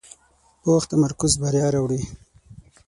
پوخ تمرکز بریا راوړي